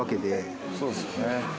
そうですよね。